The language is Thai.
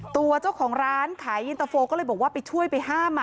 ตัวเจ้าของร้านขายอินเตอร์โฟก็เลยบอกว่าไปช่วยไปห้าม